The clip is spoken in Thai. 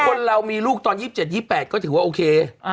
คนเรามีลูกตอน๒๗๒๘ก็ถือว่าโอเค